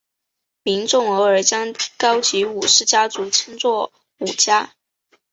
民众偶尔将高级武士家族称作武家。